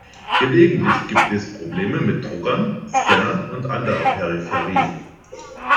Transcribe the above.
Gelegentlich gibt es Probleme mit Druckern, Scannern und anderer Peripherie.